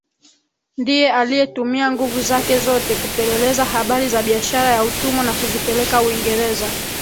ndiye aliyetumia nguvu zake zote kupeleleza habari za biashara ya utumwa na kuzipeleka Uingereza